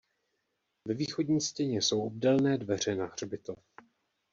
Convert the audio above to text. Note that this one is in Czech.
Ve východní stěně jsou obdélné dveře na hřbitov.